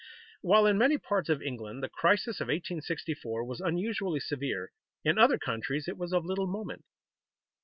While in many parts of England the crisis of 1864 was unusually severe, in other countries it was of little moment.